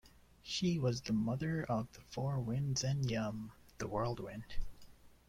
She was the mother of the Four Winds and Yum, the whirlwind.